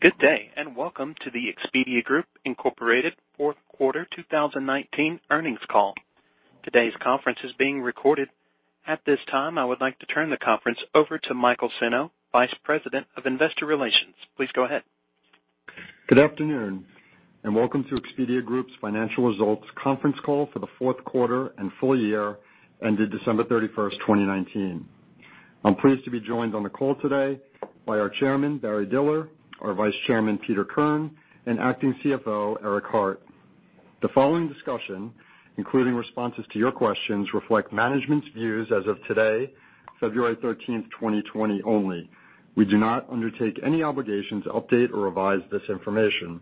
Good day, welcome to the Expedia Group, Inc. Fourth Quarter 2019 Earnings Call. Today's conference is being recorded. At this time, I would like to turn the conference over to Michael Senno, Vice President of Investor Relations. Please go ahead. Good afternoon, and welcome to Expedia Group's Financial Results Conference Call for the Fourth Quarter and Full Year Ended December 31st, 2019. I'm pleased to be joined on the call today by our Chairman, Barry Diller, our Vice Chairman, Peter Kern, and Acting CFO, Eric Hart. The following discussion, including responses to your questions, reflect management's views as of today, February 13th, 2020 only. We do not undertake any obligation to update or revise this information.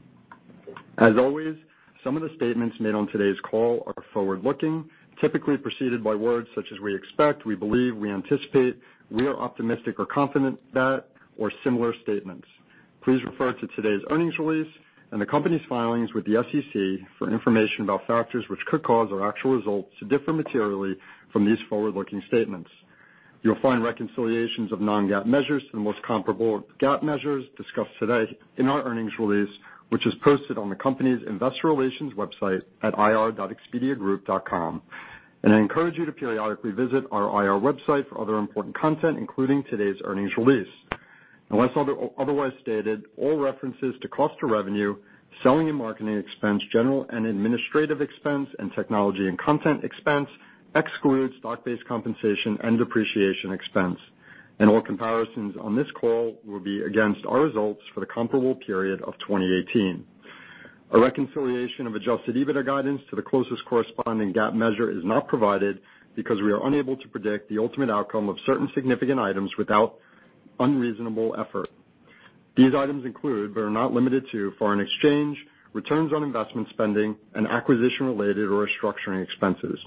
As always, some of the statements made on today's call are forward-looking, typically preceded by words such as "we expect," "we believe," "we anticipate," "we are optimistic" or "confident" that, or similar statements. Please refer to today's earnings release and the company's filings with the SEC for information about factors which could cause our actual results to differ materially from these forward-looking statements. You'll find reconciliations of non-GAAP measures to the most comparable GAAP measures discussed today in our earnings release, which is posted on the company's investor relations website at ir.expediagroup.com. I encourage you to periodically visit our IR website for other important content, including today's earnings release. Unless otherwise stated, all references to cost of revenue, selling and marketing expense, general and administrative expense, and technology and content expense exclude stock-based compensation and depreciation expense. All comparisons on this call will be against our results for the comparable period of 2018. A reconciliation of Adjusted EBITDA guidance to the closest corresponding GAAP measure is not provided because we are unable to predict the ultimate outcome of certain significant items without unreasonable effort. These items include, but are not limited to, foreign exchange, returns on investment spending, and acquisition-related or restructuring expenses.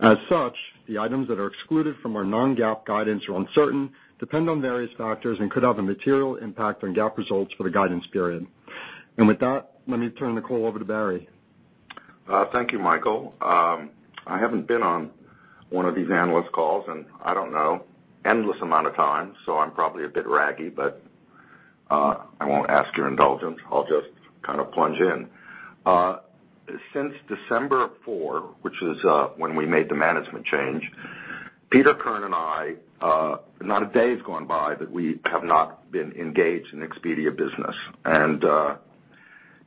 As such, the items that are excluded from our non-GAAP guidance are uncertain, depend on various factors, and could have a material impact on GAAP results for the guidance period. With that, let me turn the call over to Barry. Thank you, Michael. I haven't been on one of these analyst calls in, I don't know, endless amount of time, so I'm probably a bit raggy, but I won't ask your indulgence. I'll just plunge in. Since December 4, which is when we made the management change, Peter Kern and I, not a day has gone by that we have not been engaged in Expedia business.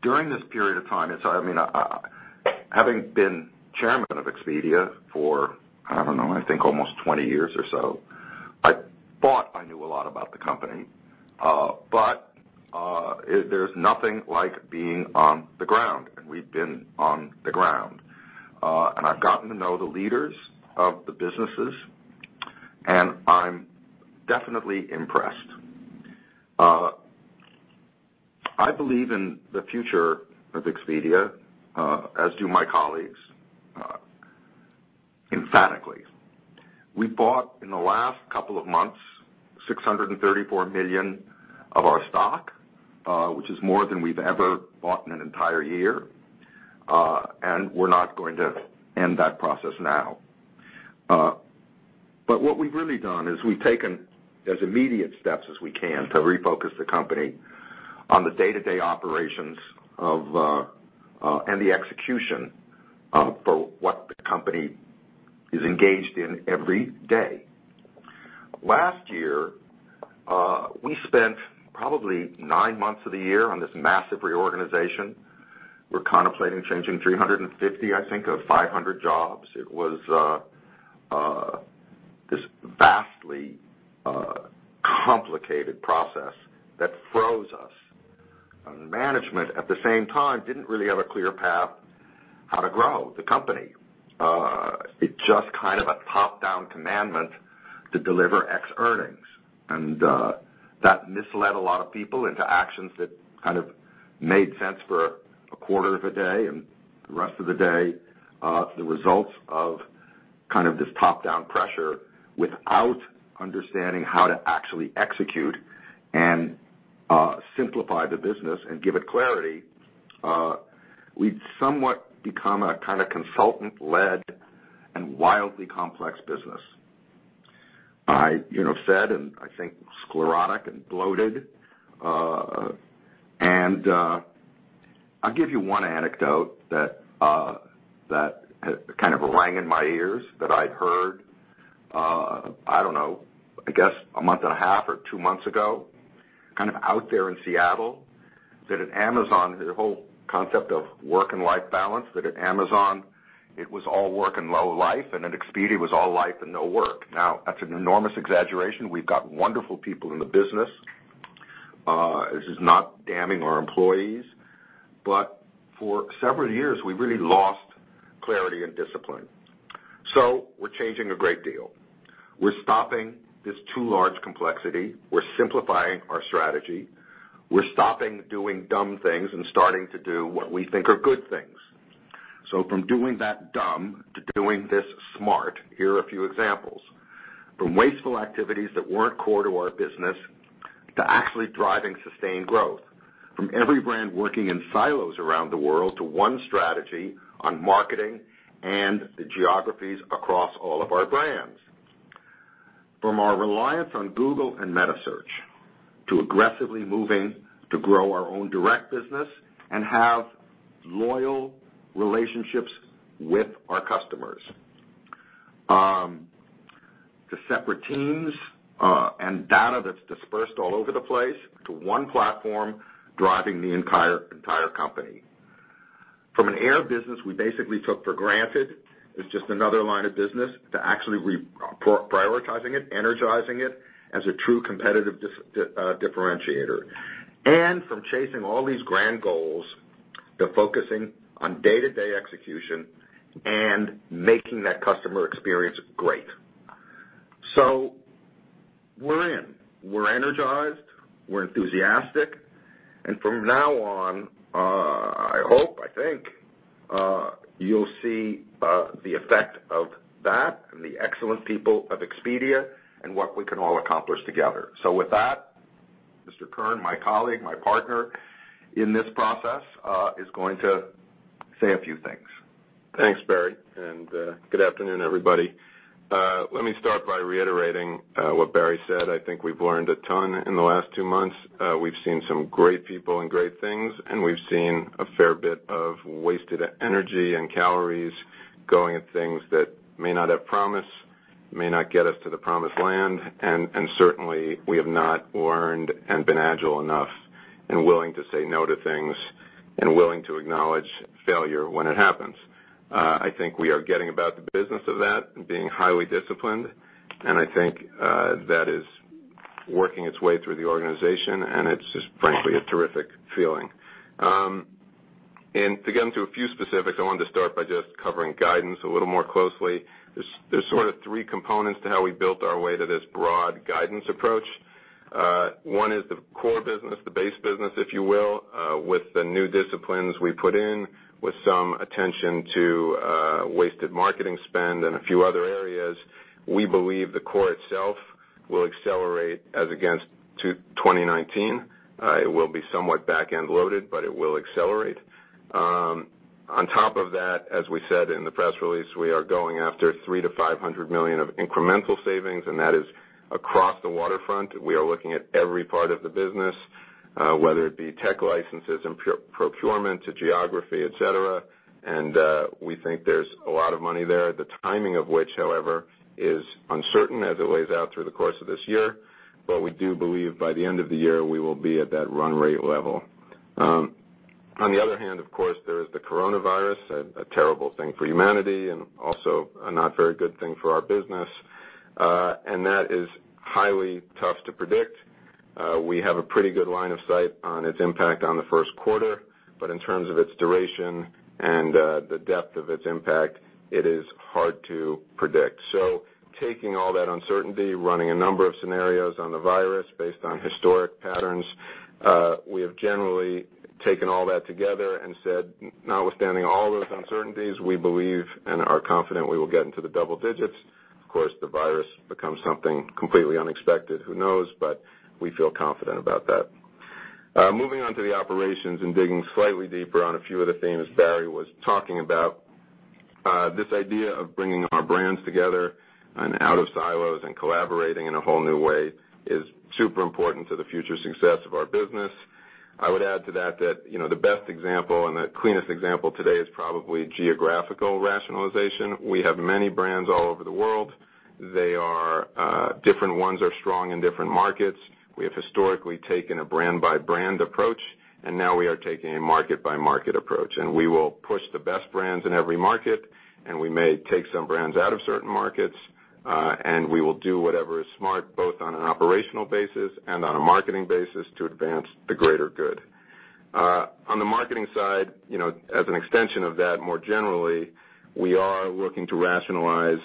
During this period of time, having been Chairman of Expedia for, I don't know, I think almost 20 years or so, I thought I knew a lot about the company. There's nothing like being on the ground, and we've been on the ground. I've gotten to know the leaders of the businesses, and I'm definitely impressed. I believe in the future of Expedia, as do my colleagues, emphatically. We bought, in the last couple of months, $634 million of our stock, which is more than we've ever bought in an entire year. We're not going to end that process now. What we've really done is we've taken as immediate steps as we can to refocus the company on the day-to-day operations and the execution for what the company is engaged in every day. Last year, we spent probably nine months of the year on this massive reorganization. We're contemplating changing 350, I think, of 500 jobs. It was this vastly complicated process that froze us. Management, at the same time, didn't really have a clear path how to grow the company. It just kind of a top-down commandment to deliver X earnings. And that misled a lot of people into actions that kind of made sense for a quarter of a day, and the rest of the day the results of this top-down pressure without understanding how to actually execute and simplify the business and give it clarity. We'd somewhat become a consultant-led and wildly complex business. Fat and, I think, sclerotic and bloated. I'll give you one anecdote that rang in my ears that I'd heard, I don't know, I guess a month and a half or two months ago, out there in Seattle, that at Amazon, the whole concept of work and life balance, that at Amazon it was all work and no life, and at Expedia, it was all life and no work. Now, that's an enormous exaggeration. We've got wonderful people in the business. This is not damning our employees. But for several years, we really lost clarity and discipline. We're changing a great deal. We're stopping this too large complexity. We're simplifying our strategy. We're stopping doing dumb things and starting to do what we think are good things. From doing that dumb to doing this smart, here are a few examples. From wasteful activities that weren't core to our business to actually driving sustained growth. From every brand working in silos around the world to one strategy on marketing and the geographies across all of our brands. From our reliance on Google and metasearch to aggressively moving to grow our own direct business and have loyal relationships with our customers. To separate teams and data that's dispersed all over the place to one platform driving the entire company. From an air business we basically took for granted as just another line of business to actually reprioritizing it, energizing it as a true competitive differentiator. And from chasing all these grand goals to focusing on day-to-day execution and making that customer experience great. We're in, we're energized, we're enthusiastic, and from now on, I hope, I think, you'll see the effect of that and the excellent people of Expedia and what we can all accomplish together. With that, Mr. Kern, my colleague, my partner in this process, is going to say a few things. Thanks, Barry, and good afternoon, everybody. Let me start by reiterating what Barry said. I think we've learned a ton in the last two months. We've seen some great people and great things, and we've seen a fair bit of wasted energy and calories going at things that may not have promise, may not get us to the promised land, and certainly we have not learned and been agile enough and willing to say no to things and willing to acknowledge failure when it happens. I think we are getting about the business of that and being highly disciplined, and I think that is working its way through the organization, and it's just frankly, a terrific feeling. And to get into a few specifics, I wanted to start by just covering guidance a little more closely. There's sort of three components to how we built our way to this broad guidance approach. One is the core business, the base business, if you will, with the new disciplines we put in, with some attention to wasted marketing spend and a few other areas. We believe the core itself will accelerate as against to 2019. It will be somewhat back-end loaded. It will accelerate. On top of that, as we said in the press release, we are going after $300 million-$500 million of incremental savings. That is across the waterfront. We are looking at every part of the business, whether it be tech licenses and procurement to geography, et cetera. We think there's a lot of money there. The timing of which, however, is uncertain as it lays out through the course of this year. We do believe by the end of the year, we will be at that run rate level. On the other hand, of course, there is the coronavirus, a terrible thing for humanity and also a not very good thing for our business. That is highly tough to predict. We have a pretty good line of sight on its impact on the first quarter, but in terms of its duration and the depth of its impact, it is hard to predict. Taking all that uncertainty, running a number of scenarios on the virus based on historic patterns, we have generally taken all that together and said, notwithstanding all those uncertainties, we believe and are confident we will get into the double digits. Of course, the virus becomes something completely unexpected. Who knows? We feel confident about that. Moving on to the operations and digging slightly deeper on a few of the themes Barry was talking about. This idea of bringing our brands together and out of silos and collaborating in a whole new way is super important to the future success of our business. I would add to that the best example and the cleanest example today is probably geographical rationalization. We have many brands all over the world. Different ones are strong in different markets. We have historically taken a brand-by-brand approach, and now we are taking a market-by-market approach. We will push the best brands in every market, and we may take some brands out of certain markets, and we will do whatever is smart, both on an operational basis and on a marketing basis to advance the greater good. On the marketing side, as an extension of that more generally, we are looking to rationalize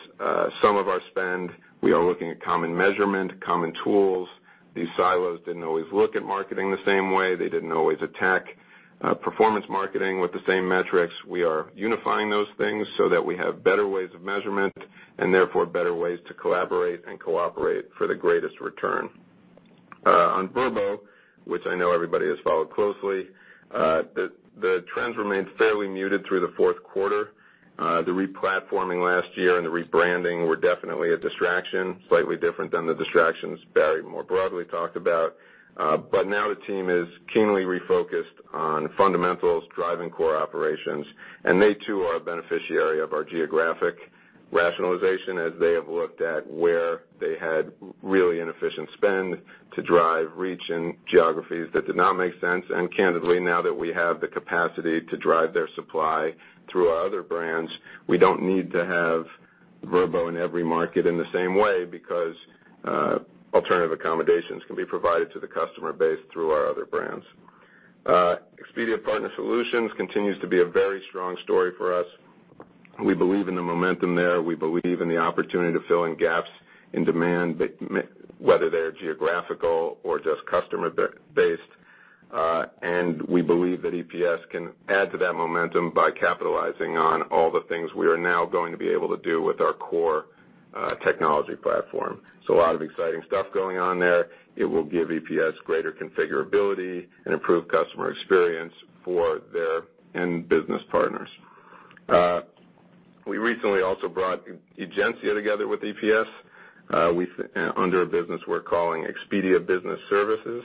some of our spend. We are looking at common measurement, common tools. These silos didn't always look at marketing the same way. They didn't always attack performance marketing with the same metrics. We are unifying those things so that we have better ways of measurement and therefore better ways to collaborate and cooperate for the greatest return. On Vrbo, which I know everybody has followed closely, the trends remained fairly muted through the fourth quarter. The replatforming last year and the rebranding were definitely a distraction, slightly different than the distractions Barry more broadly talked about. Now the team is keenly refocused on fundamentals driving core operations, and they too are a beneficiary of our geographic rationalization as they have looked at where they had really inefficient spend to drive reach in geographies that did not make sense. Candidly, now that we have the capacity to drive their supply through our other brands, we don't need to have Vrbo in every market in the same way because alternative accommodations can be provided to the customer base through our other brands. Expedia Partner Solutions continues to be a very strong story for us. We believe in the momentum there. We believe in the opportunity to fill in gaps in demand, whether they're geographical or just customer-based. We believe that EPS can add to that momentum by capitalizing on all the things we are now going to be able to do with our core technology platform. A lot of exciting stuff going on there. It will give EPS greater configurability and improve customer experience for their end business partners. We recently also brought Egencia together with EPS, under a business we're calling Expedia Business Services.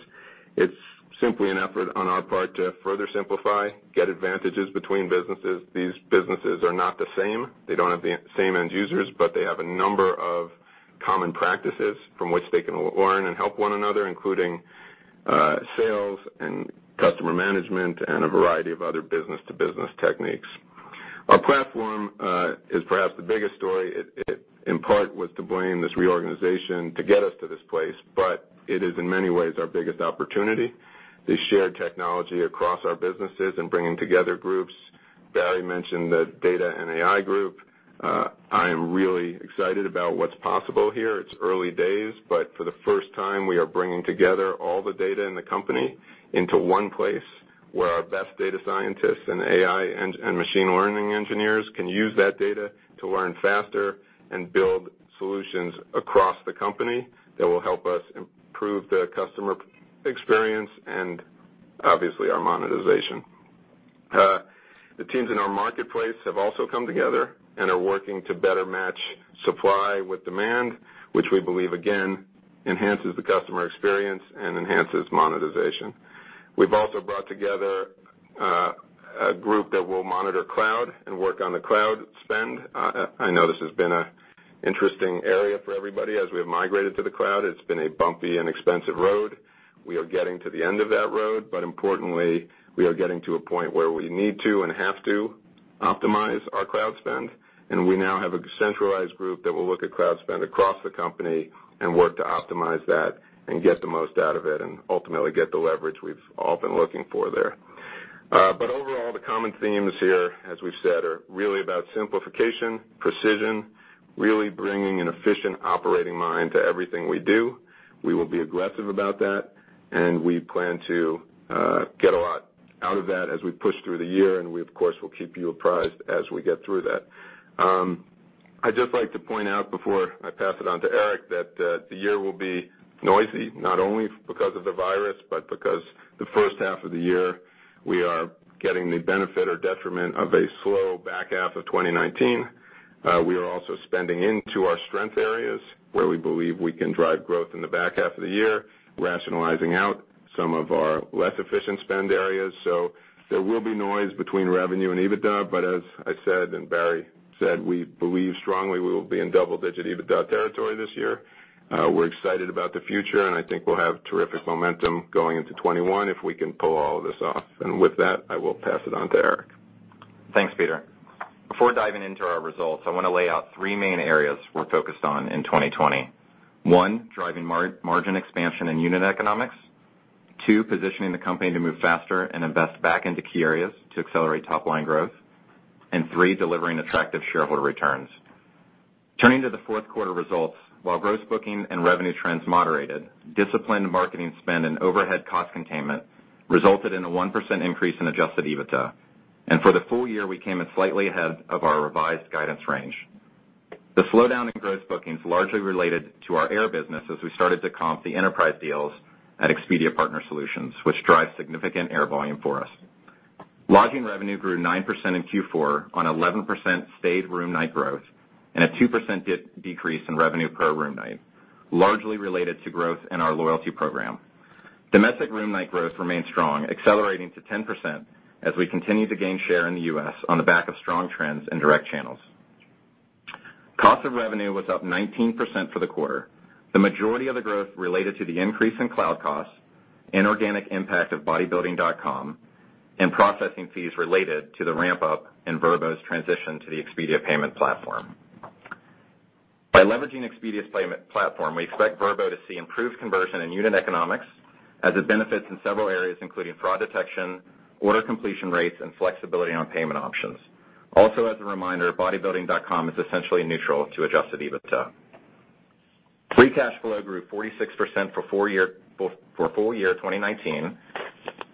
It's simply an effort on our part to further simplify, get advantages between businesses. These businesses are not the same. They don't have the same end users, but they have a number of common practices from which they can learn and help one another, including sales and customer management, and a variety of other business-to-business techniques. Our platform is perhaps the biggest story. It, in part, was to blame this reorganization to get us to this place, but it is, in many ways, our biggest opportunity, the shared technology across our businesses and bringing together groups. Barry mentioned the data and AI group. I am really excited about what's possible here. It's early days, but for the first time, we are bringing together all the data in the company into one place where our best data scientists and AI and machine learning engineers can use that data to learn faster and build solutions across the company that will help us improve the customer experience and obviously our monetization. The teams in our marketplace have also come together and are working to better match supply with demand, which we believe, again, enhances the customer experience and enhances monetization. We've also brought together a group that will monitor cloud and work on the cloud spend. I know this has been an interesting area for everybody as we have migrated to the cloud. It's been a bumpy and expensive road. We are getting to the end of that road. Importantly, we are getting to a point where we need to and have to optimize our cloud spend, and we now have a centralized group that will look at cloud spend across the company and work to optimize that and get the most out of it, and ultimately get the leverage we've all been looking for there. Overall, the common themes here, as we've said, are really about simplification, precision, really bringing an efficient operating mind to everything we do. We will be aggressive about that, and we plan to get a lot out of that as we push through the year, and we, of course, will keep you apprised as we get through that. I'd just like to point out before I pass it on to Eric that the year will be noisy, not only because of the coronavirus, but because the first half of the year, we are getting the benefit or detriment of a slow back half of 2019. We are also spending into our strength areas where we believe we can drive growth in the back half of the year, rationalizing out some of our less efficient spend areas. There will be noise between revenue and EBITDA, but as I said and Barry said, we believe strongly we will be in double-digit EBITDA territory this year. We're excited about the future, I think we'll have terrific momentum going into 2021 if we can pull all of this off. And with that, I will pass it on to Eric. Thanks, Peter. Before diving into our results, I want to lay out three main areas we're focused on in 2020. One, driving margin expansion and unit economics. Two, positioning the company to move faster and invest back into key areas to accelerate top-line growth. Three, delivering attractive shareholder returns. Turning to the fourth quarter results, while gross booking and revenue trends moderated, disciplined marketing spend and overhead cost containment resulted in a 1% increase in Adjusted EBITDA. For the full year, we came in slightly ahead of our revised guidance range. The slowdown in gross bookings largely related to our air business as we started to comp the enterprise deals at Expedia Partner Solutions, which drives significant air volume for us. Lodging revenue grew 9% in Q4 on 11% stayed room night growth and a 2% decrease in revenue per room night, largely related to growth in our loyalty program. Domestic room night growth remains strong, accelerating to 10% as we continue to gain share in the U.S. on the back of strong trends and direct channels. Cost of revenue was up 19% for the quarter, the majority of the growth related to the increase in cloud costs and organic impact of Bodybuilding.com and processing fees related to the ramp-up in Vrbo's transition to the Expedia payment platform. By leveraging Expedia's payment platform, we expect Vrbo to see improved conversion in unit economics as it benefits in several areas, including fraud detection, order completion rates, and flexibility on payment options. Also, as a reminder, Bodybuilding.com is essentially neutral to Adjusted EBITDA. Free cash flow grew 46% for full year 2019.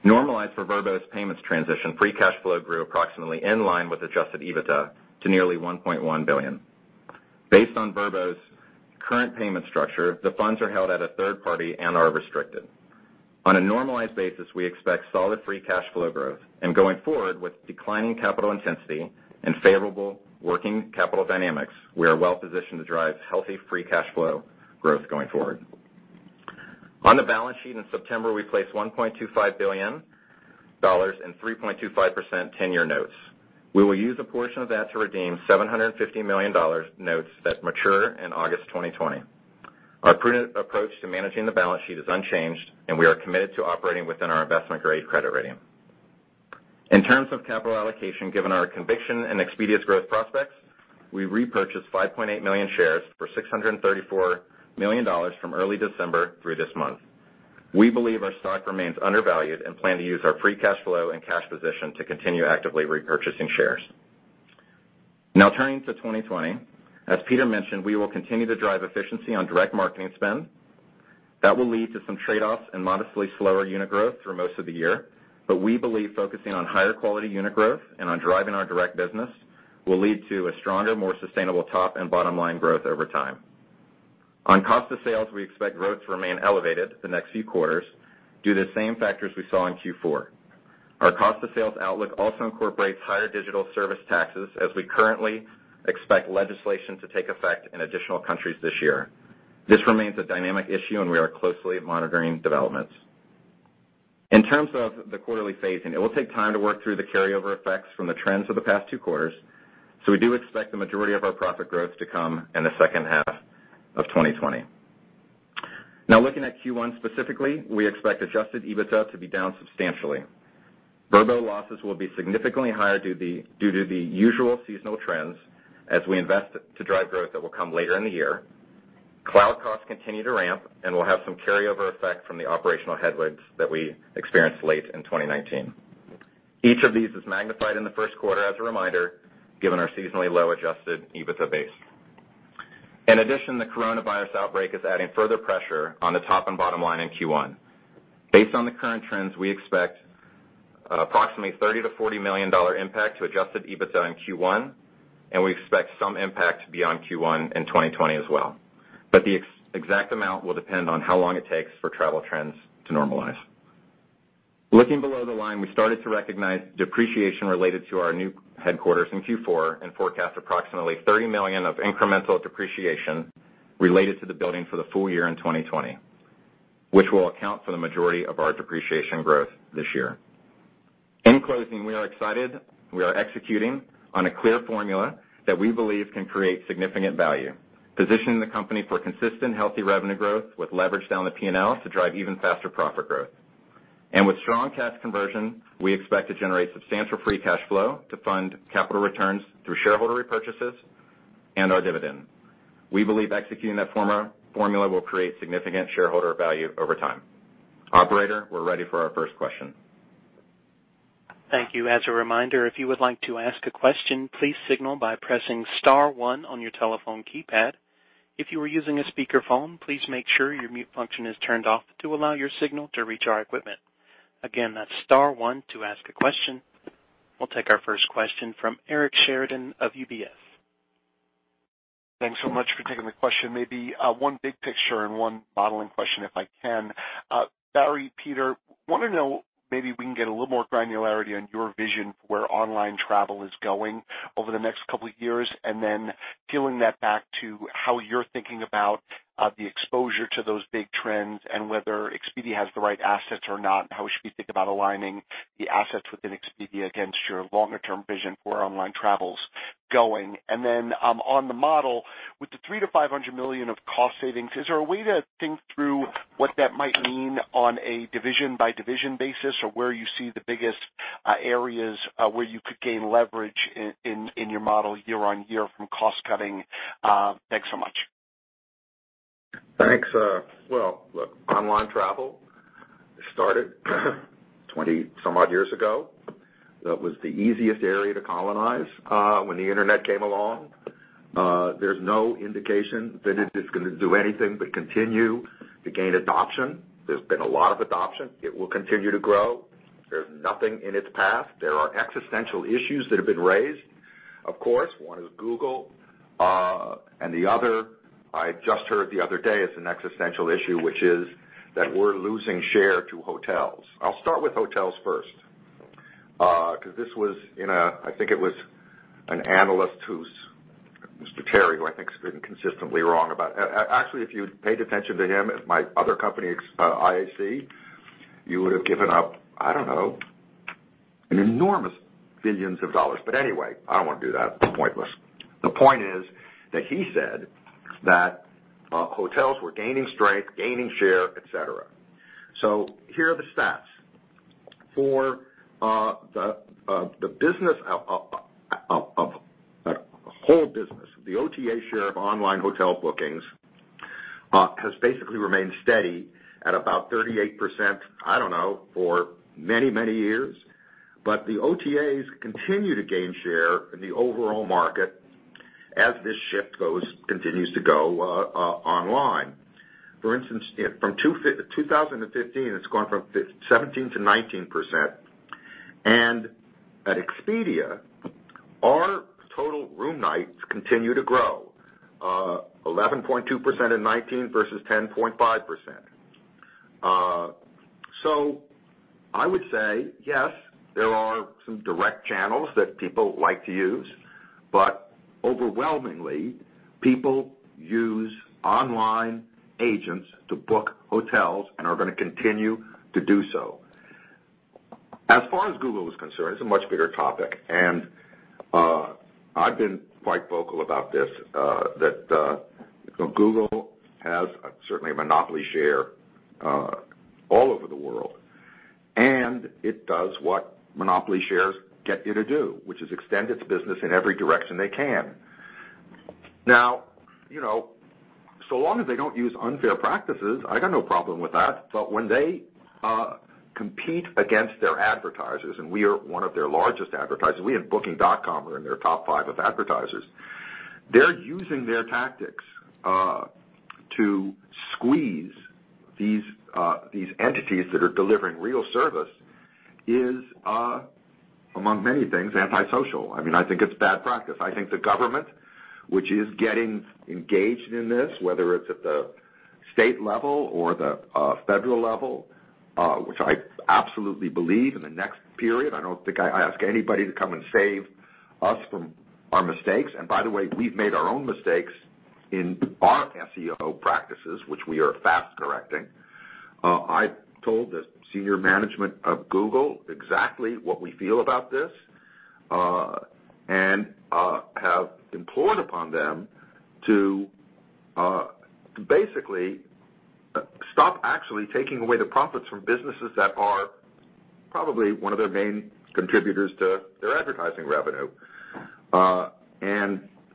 Normalized for Vrbo's payments transition, free cash flow grew approximately in line with Adjusted EBITDA to nearly $1.1 billion. Based on Vrbo's current payment structure, the funds are held at a third party and are restricted. On a normalized basis, we expect solid free cash flow growth. Going forward with declining capital intensity and favorable working capital dynamics, we are well positioned to drive healthy free cash flow growth going forward. On the balance sheet in September, we placed $1.25 billion and 3.25% 10-year notes. We will use a portion of that to redeem $750 million notes that mature in August 2020. Our prudent approach to managing the balance sheet is unchanged, and we are committed to operating within our investment-grade credit rating. In terms of capital allocation, given our conviction in Expedia's growth prospects, we repurchased 5.8 million shares for $634 million from early December through this month. We believe our stock remains undervalued and plan to use our free cash flow and cash position to continue actively repurchasing shares. Now turning to 2020. As Peter mentioned, we will continue to drive efficiency on direct marketing spend. That will lead to some trade-offs and modestly slower unit growth through most of the year, but we believe focusing on higher quality unit growth and on driving our direct business will lead to a stronger, more sustainable top and bottom-line growth over time. On cost of sales, we expect growth to remain elevated the next few quarters due to the same factors we saw in Q4. Our cost of sales outlook also incorporates higher digital service taxes as we currently expect legislation to take effect in additional countries this year. This remains a dynamic issue, and we are closely monitoring developments. In terms of the quarterly phasing, it will take time to work through the carryover effects from the trends of the past two quarters. We do expect the majority of our profit growth to come in the second half of 2020. Looking at Q1 specifically, we expect Adjusted EBITDA to be down substantially. Vrbo losses will be significantly higher due to the usual seasonal trends as we invest to drive growth that will come later in the year. Cloud costs continue to ramp and will have some carryover effect from the operational headwinds that we experienced late in 2019. Each of these is magnified in the first quarter as a reminder, given our seasonally low Adjusted EBITDA base. In addition, the coronavirus outbreak is adding further pressure on the top and bottom line in Q1. Based on the current trends, we expect approximately $30 million-$40 million impact to Adjusted EBITDA in Q1. We expect some impact beyond Q1 in 2020 as well. The exact amount will depend on how long it takes for travel trends to normalize. Looking below the line, we started to recognize depreciation related to our new headquarters in Q4 and forecast approximately $30 million of incremental depreciation related to the building for the full year in 2020, which will account for the majority of our depreciation growth this year. In closing, we are excited, we are executing on a clear formula that we believe can create significant value, positioning the company for consistent healthy revenue growth with leverage down the P&L to drive even faster profit growth. And with strong cash conversion, we expect to generate substantial free cash flow to fund capital returns through shareholder repurchases and our dividend. We believe executing that formula will create significant shareholder value over time. Operator, we are ready for our first question. Thank you. As a reminder, if you would like to ask a question, please signal by pressing star one on your telephone keypad. If you are using a speakerphone, please make sure your mute function is turned off to allow your signal to reach our equipment. Again, that's star one to ask a question. We'll take our first question from Eric Sheridan of UBS. Thanks so much for taking the question. Maybe one big picture and one modeling question, if I can. Barry, Peter, want to know maybe we can get a little more granularity on your vision for where online travel is going over the next couple of years, and then peeling that back to how you're thinking about the exposure to those big trends and whether Expedia Group has the right assets or not, and how we should be thinking about aligning the assets within Expedia against your longer-term vision for online travels going. On the model, with the $300 million-$500 million of cost savings, is there a way to think through what that might mean on a division-by-division basis, or where you see the biggest areas where you could gain leverage in your model year-on-year from cost cutting? Thanks so much. Thanks. Well, look, online travel started 20 some odd years ago. That was the easiest area to colonize when the internet came along. There's no indication that it is going to do anything but continue to gain adoption. There's been a lot of adoption. It will continue to grow. There's nothing in its path. There are existential issues that have been raised. Of course, one is Google. The other I just heard the other day is an existential issue, which is that we're losing share to hotels. I'll start with hotels first. This was in a, I think it was an analyst who's, Mr. Terry, who I think has been consistently wrong. Actually, if you paid attention to him at my other company, IAC, you would have given up, I don't know, an enormous billions of dollars. Anyway, I don't want to do that. It's pointless. The point is that he said that hotels were gaining strength, gaining share, et cetera. For the business, a whole business, the OTA share of online hotel bookings has basically remained steady at about 38%, I don't know, for many, many years. The OTAs continue to gain share in the overall market as this shift continues to go online. For instance, from 2015, it's gone from 17%-19%. At Expedia, our total room nights continue to grow, 11.2% in 2019 versus 10.5%. I would say, yes, there are some direct channels that people like to use, but overwhelmingly, people use online agents to book hotels and are going to continue to do so. As far as Google is concerned, it's a much bigger topic, and I've been quite vocal about this, that Google has certainly a monopoly share all over the world, and it does what monopoly shares get you to do, which is extend its business in every direction they can. So long as they don't use unfair practices, I got no problem with that. When they compete against their advertisers, and we are one of their largest advertisers, we and Booking.com are in their top five of advertisers. They're using their tactics to squeeze these entities that are delivering real service Is, among many things, antisocial. I think it's bad practice. I think the government, which is getting engaged in this, whether it's at the state level or the federal level, which I absolutely believe in the next period, I don't think I ask anybody to come and save us from our mistakes. By the way, we've made our own mistakes in our SEO practices, which we are fast correcting. I told the senior management of Google exactly what we feel about this, and have implored upon them to basically stop actually taking away the profits from businesses that are probably one of their main contributors to their advertising revenue.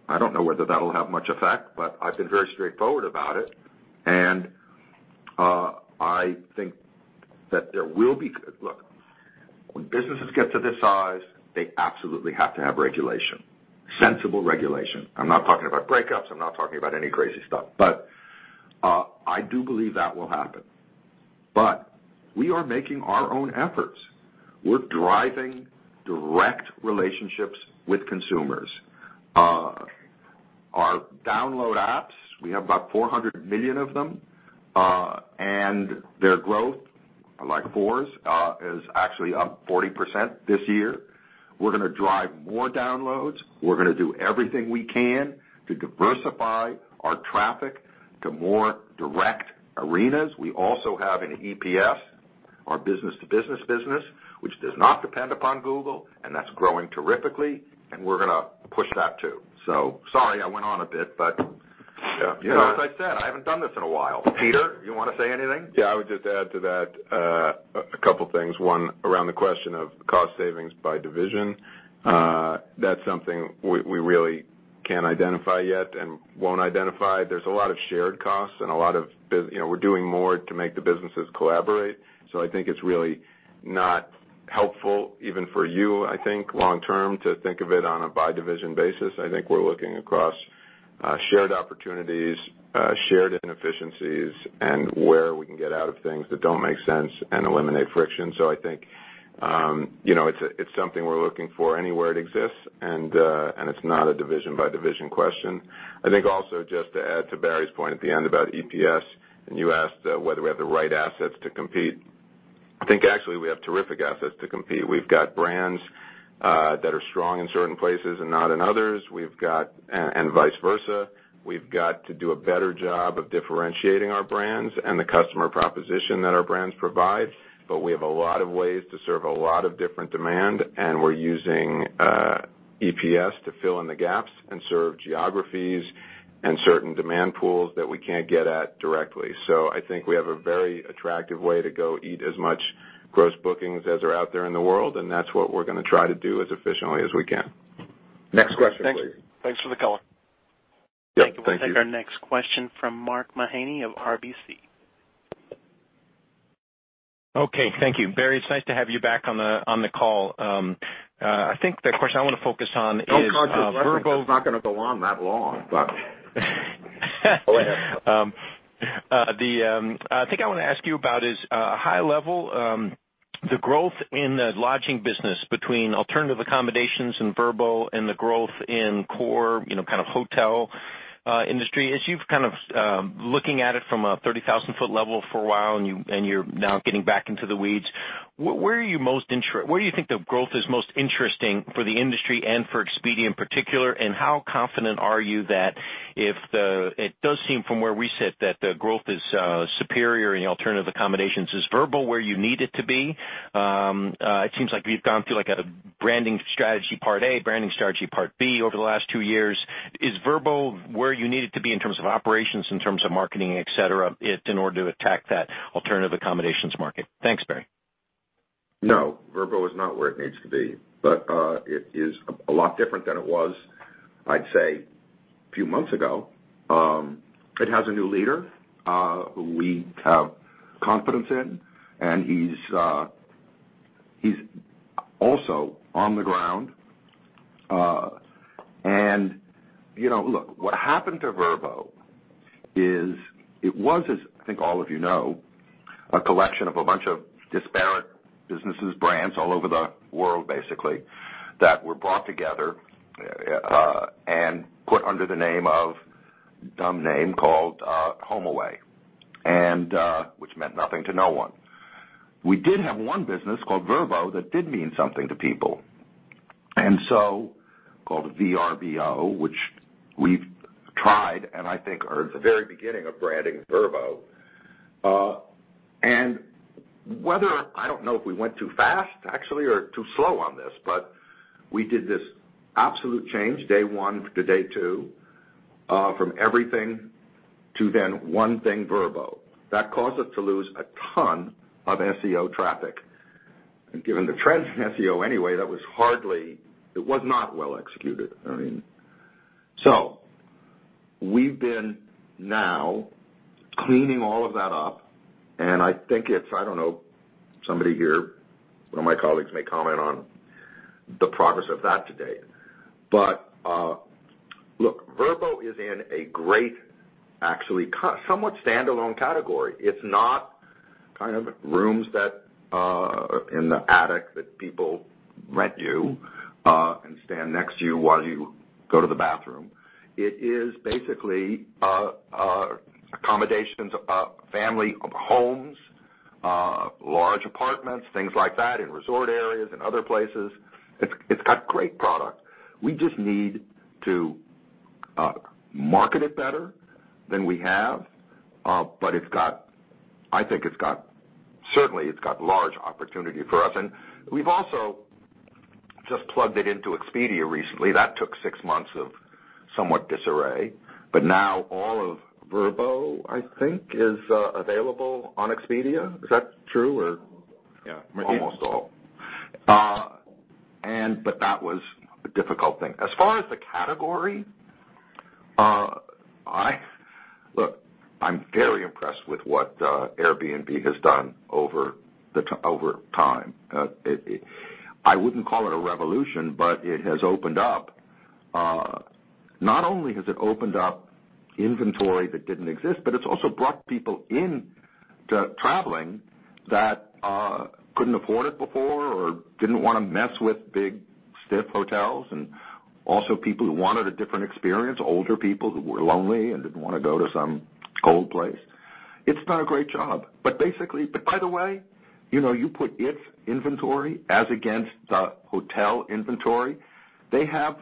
I don't know whether that'll have much effect, but I've been very straightforward about it. And I think that there will be look, when businesses get to this size, they absolutely have to have regulation. Sensible regulation. I'm not talking about breakups, I'm not talking about any crazy stuff. I do believe that will happen. We are making our own efforts. We're driving direct relationships with consumers. Our download apps, we have about 400 million of them, and their growth, like for us, is actually up 40% this year. We're going to drive more downloads. We're going to do everything we can to diversify our traffic to more direct arenas. We also have an EPS, our business-to-business business, which does not depend upon Google, and that's growing terrifically, and we're going to push that, too. Sorry I went on a bit, but. Yeah. As I said, I haven't done this in a while. Peter, you want to say anything? Yeah, I would just add to that a couple of things. One, around the question of cost savings by division. That's something we really can't identify yet and won't identify. There's a lot of shared costs and we're doing more to make the businesses collaborate. I think it's really not helpful, even for you, I think, long term, to think of it on a by-division basis. I think we're looking across shared opportunities, shared inefficiencies, and where we can get out of things that don't make sense and eliminate friction. I think, it's something we're looking for anywhere it exists, and it's not a division-by-division question. I think also, just to add to Barry's point at the end about EPS, and you asked whether we have the right assets to compete. I think actually we have terrific assets to compete. We've got brands that are strong in certain places and not in others. Vice versa. We've got to do a better job of differentiating our brands and the customer proposition that our brands provide. We have a lot of ways to serve a lot of different demand, and we're using EPS to fill in the gaps and serve geographies and certain demand pools that we can't get at directly. I think we have a very attractive way to go eat as much gross bookings as are out there in the world, and that's what we're going to try to do as efficiently as we can. Next question, please. Thanks for the color. Yeah, thank you. We'll take our next question from Mark Mahaney of RBC. Okay, thank you. Barry, it's nice to have you back on the call. I think the question I want to focus on is. Don't cause this verbal is not going to go on that long, but go ahead. I think I want to ask you about is high-level, the growth in the lodging business between alternative accommodations and Vrbo and the growth in core hotel industry. As you've kind of looking at it from a 30,000 foot level for a while, you're now getting back into the weeds, where do you think the growth is most interesting for the industry and for Expedia in particular? How confident are you that it does seem from where we sit that the growth is superior in the alternative accommodations. Is Vrbo where you need it to be? It seems like we've gone through like a branding strategy part A, branding strategy part B over the last two years. Is Vrbo where you need it to be in terms of operations, in terms of marketing, et cetera, in order to attack that alternative accommodations market? Thanks, Barry. No Vrbo is not where it needs to be, but it is a lot different than it was, I'd say a few months ago. It has a new leader, who we have confidence in, and he's also on the ground. Look, what happened to Vrbo is it was, as I think all of you know, a collection of a bunch of disparate businesses, brands all over the world, basically, that were brought together, and put under the name of dumb name called HomeAway, and which meant nothing to no one. We did have one business called Vrbo that did mean something to people. Called V-r-b-o, which we've tried and I think are at the very beginning of branding Vrbo. And whether I don't know if we went too fast, actually, or too slow on this, but we did this absolute change day one to day two, from everything to then one thing, Vrbo. That caused us to lose a ton of SEO traffic. Given the trends in SEO anyway, it was not well executed. We've been now cleaning all of that up, and I think if, I don't know, somebody here, one of my colleagues may comment on the progress of that to date. But look, Vrbo is in a great, actually, somewhat standalone category. It's not kind of rooms that are in the attic that people rent you and stand next to you while you go to the bathroom. It is basically accommodations, family homes, large apartments, things like that, in resort areas and other places. It's got great product. We just need to market it better than we have. I think it's got certainly large opportunity for us. We've also just plugged it into Expedia recently. That took six months of somewhat disarray. But now all of Vrbo, I think, is available on Expedia. Is that true? Yeah. Almost all. That was a difficult thing. As far as the category, look, I'm very impressed with what Airbnb has done over time. I wouldn't call it a revolution, but it has opened up. Not only has it opened up inventory that didn't exist, but it's also brought people into traveling that couldn't afford it before or didn't want to mess with big, stiff hotels, and also people who wanted a different experience, older people who were lonely and didn't want to go to some cold place. It's done a great job. By the way, you put its inventory as against the hotel inventory, they have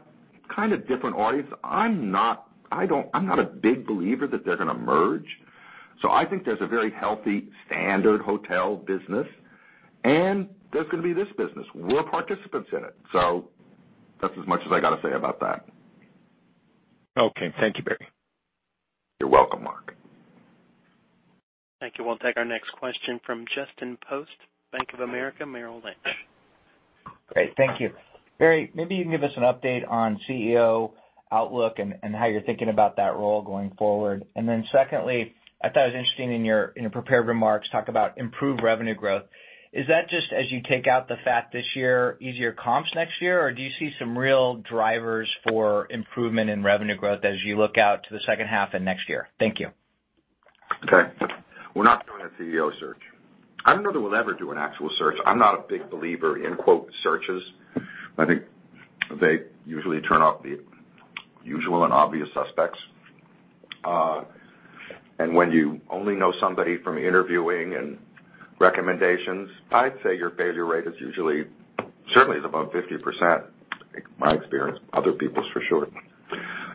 kind of different audience. I'm not a big believer that they're going to merge. I think there's a very healthy standard hotel business, and there's going to be this business. We're participants in it. That's as much as I got to say about that. Okay. Thank you, Barry. You're welcome, Mark. Thank you. We'll take our next question from Justin Post, Bank of America Merrill Lynch. Great. Thank you. Barry, maybe you can give us an update on CEO outlook and how you're thinking about that role going forward. Secondly, I thought it was interesting in your prepared remarks, talk about improved revenue growth. Is that just as you take out the fact this year, easier comps next year, or do you see some real drivers for improvement in revenue growth as you look out to the second half and next year? Thank you. Okay. We're not doing a CEO search. I don't know that we'll ever do an actual search. I'm not a big believer in quote, searches. I think they usually turn up the usual and obvious suspects. When you only know somebody from interviewing and recommendations, I'd say your failure rate is usually, certainly is above 50%, in my experience, other people's for sure.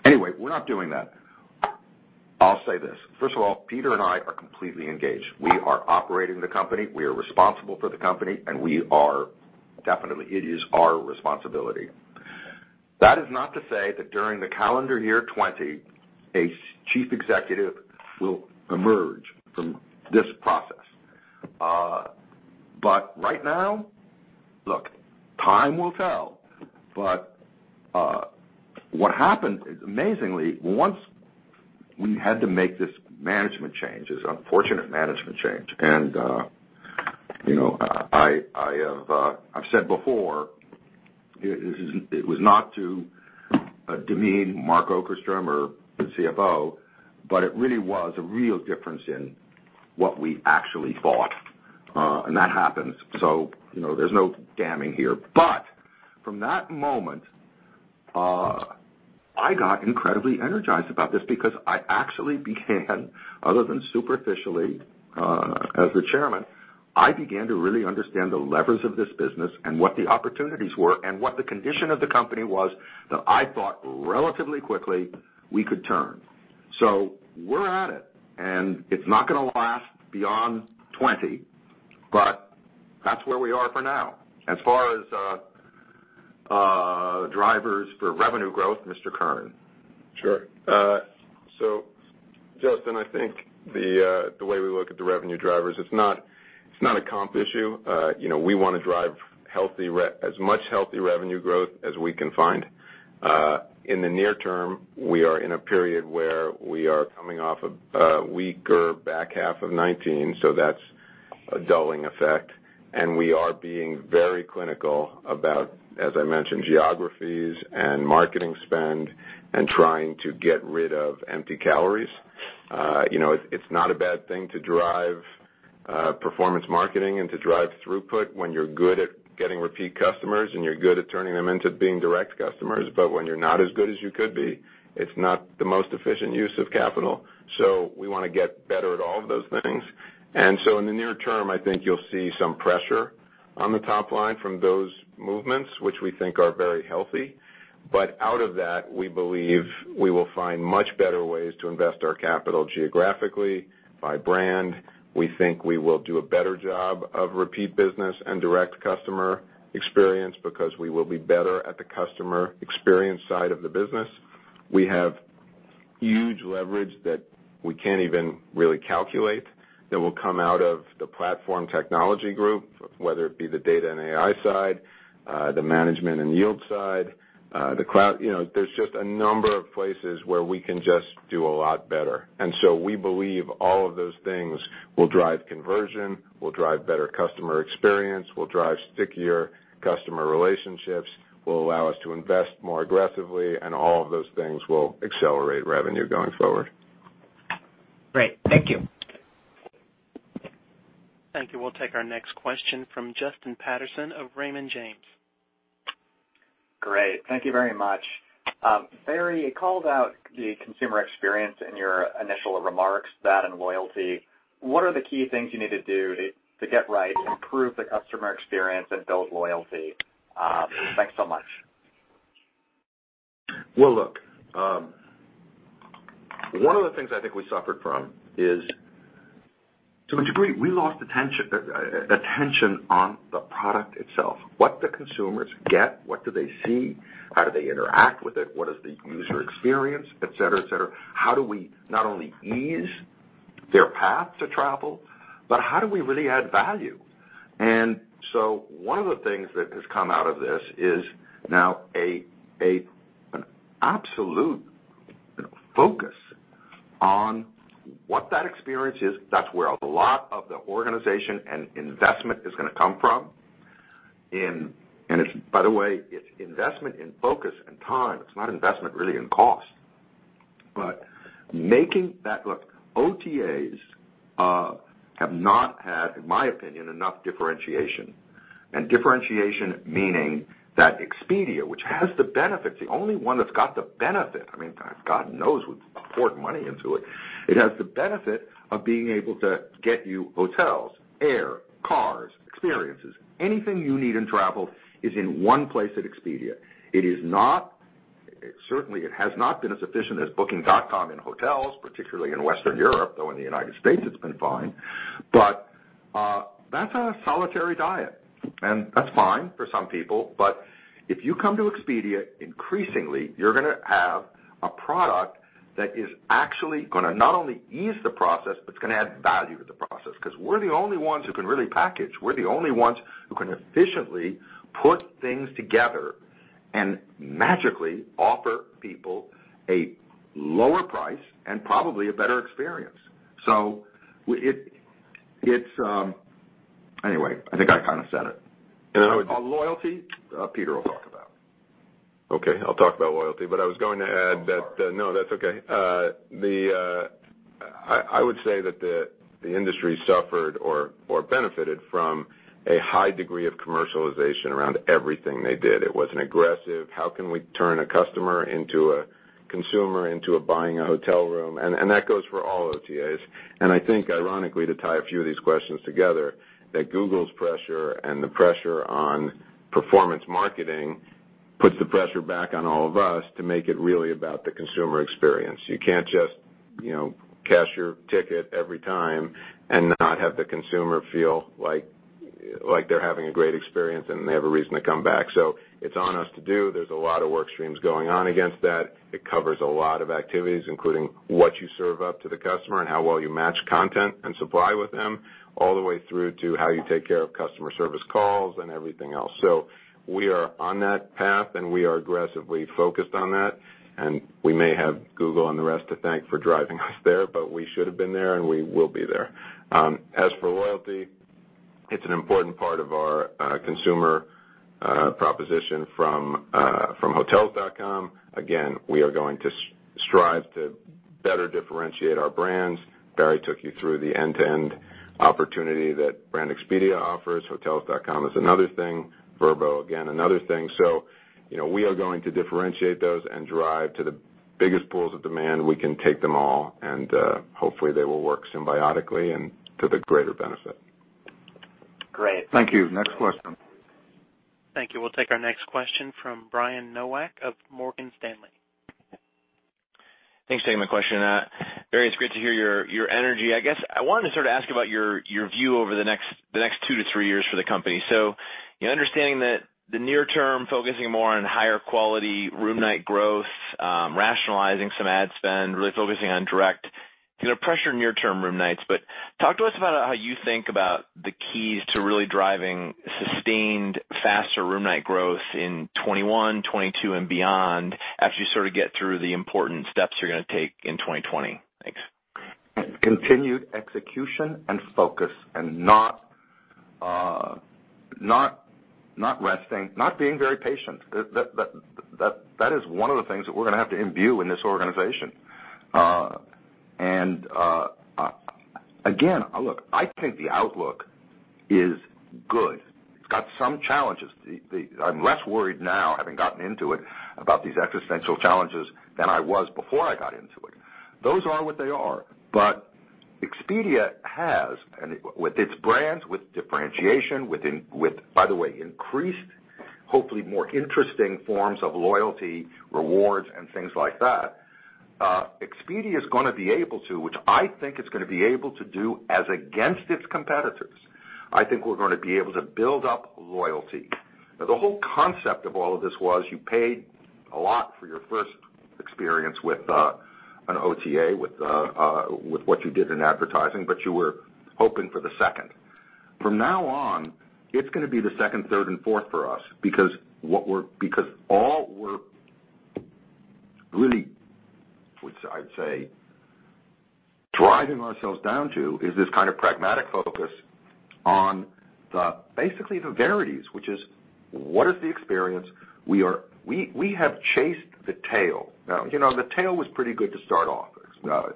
Anyway, we're not doing that. I'll say this. First of all, Peter and I are completely engaged. We are operating the company, we are responsible for the company, and we are definitely, it is our responsibility. That is not to say that during the calendar year 2020, a chief executive will emerge from this process. Right now, look, time will tell. What happened is, amazingly, once we had to make this management change, this unfortunate management change, and I've said before, it was not to demean Mark Okerstrom or the CFO, but it really was a real difference in what we actually bought. And that happens. There's no damning here. From that moment, I got incredibly energized about this because I actually began, other than superficially, as the Chairman, I began to really understand the levers of this business and what the opportunities were and what the condition of the company was that I thought relatively quickly we could turn. We're at it, and it's not going to last beyond 2020, but that's where we are for now. As far as drivers for revenue growth, Mr. Kern. Sure. Justin, I think the way we look at the revenue drivers, it's not a comp issue. We want to drive as much healthy revenue growth as we can find. In the near term, we are in a period where we are coming off a weaker back half of 2019, so that's a dulling effect, and we are being very clinical about, as I mentioned, geographies and marketing spend and trying to get rid of empty calories. It's not a bad thing to drive performance marketing and to drive throughput when you're good at getting repeat customers and you're good at turning them into being direct customers. When you're not as good as you could be, it's not the most efficient use of capital. We want to get better at all of those things. In the near term, I think you'll see some pressure on the top line from those movements, which we think are very healthy. Out of that, we believe we will find much better ways to invest our capital geographically, by brand. We think we will do a better job of repeat business and direct customer experience because we will be better at the customer experience side of the business. We have huge leverage that we can't even really calculate that will come out of the platform technology group, whether it be the data and AI side, the management and yield side, the cloud. There's just a number of places where we can just do a lot better. We believe all of those things will drive conversion, will drive better customer experience, will drive stickier customer relationships, will allow us to invest more aggressively, and all of those things will accelerate revenue going forward. Great. Thank you. Thank you. We'll take our next question from Justin Patterson of Raymond James. Great. Thank you very much. Barry, you called out the consumer experience in your initial remarks, that and loyalty. What are the key things you need to do to get right, improve the customer experience, and build loyalty? Thanks so much. Well, look, one of the things I think we suffered from is, to a degree, we lost attention on the product itself. What the consumers get, what do they see, how do they interact with it, what is the user experience, et cetera. How do we not only ease their path to travel, but how do we really add value? One of the things that has come out of this is now an absolute focus on what that experience is. That's where a lot of the organization and investment is going to come from. It's, by the way, it's investment in focus and time. It's not investment really in cost. Look, OTAs have not had, in my opinion, enough differentiation. Differentiation meaning that Expedia, which has the benefit, the only one that's got the benefit, God knows we poured money into it. It has the benefit of being able to get you hotels, air, cars, experiences. Anything you need in travel is in one place at Expedia. Certainly, it has not been as efficient as Booking.com in hotels, particularly in Western Europe, though in the United States., it's been fine. But that's on a solitary diet, and that's fine for some people. If you come to Expedia, increasingly, you're going to have a product that is actually going to not only ease the process, but it's going to add value to the process because we're the only ones who can really package. We're the only ones who can efficiently put things together and magically offer people a lower price and probably a better experience. Anyway, I think I kind of said it. Loyalty, Peter will talk about. Okay, I'll talk about loyalty, but I was going to add that. No, that's okay. I would say that the industry suffered or benefited from a high degree of commercialization around everything they did. It was an aggressive, how can we turn a customer into a consumer into buying a hotel room? That goes for all OTAs. I think ironically, to tie a few of these questions together, that Google's pressure and the pressure on performance marketing puts the pressure back on all of us to make it really about the consumer experience. You can't just cash your ticket every time and not have the consumer feel like they're having a great experience and they have a reason to come back. It's on us to do, there's a lot of work streams going on against that. It covers a lot of activities, including what you serve up to the customer and how well you match content and supply with them, all the way through to how you take care of customer service calls and everything else. We are on that path, and we are aggressively focused on that, and we may have Google and the rest to thank for driving us there, but we should have been there, and we will be there. As for loyalty, it's an important part of our consumer proposition from Hotels.com. Again, we are going to strive to better differentiate our brands. Barry took you through the end-to-end opportunity that Brand Expedia offers. Hotels.com is another thing. Vrbo, again, another thing. We are going to differentiate those and drive to the biggest pools of demand. We can take them all, and hopefully, they will work symbiotically and to the greater benefit. Great. Thank you. Next question. Thank you. We'll take our next question from Brian Nowak of Morgan Stanley. Thanks for taking my question. Barry, it's great to hear your energy. I guess I wanted to sort of ask about your view over the next 2-3 years for the company. Understanding that the near term, focusing more on higher quality, room night growth, rationalizing some ad spend, really focusing on direct pressure near term room nights. Talk to us about how you think about the keys to really driving sustained faster room night growth in 2021, 2022, and beyond as you sort of get through the important steps you're going to take in 2020. Thanks. Continued execution and focus and not resting, not being very patient. That is one of the things that we're going to have to imbue in this organization. And again, look, I think the outlook is good. It's got some challenges. I'm less worried now, having gotten into it, about these existential challenges than I was before I got into it. Those are what they are. But Expedia has, and with its brands, with differentiation, with, by the way, increased, hopefully more interesting forms of loyalty rewards and things like that, Expedia is going to be able to, which I think it's going to be able to do as against its competitors. I think we're going to be able to build up loyalty. And The whole concept of all of this was you paid a lot for your first experience with an OTA, with what you did in advertising, but you were hoping for the second. From now on, it's going to be the second, third, and fourth for us because all we're really, which I'd say, driving ourselves down to is this kind of pragmatic focus on, basically, the verities, which is what is the experience? We have chased the tail. The tail was pretty good to start off.